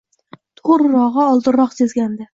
To`g`rirog`i oldinroq sezgandi